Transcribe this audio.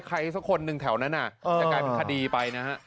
สักคนหนึ่งแถวนั้นจะกลายเป็นคดีไปนะฮะ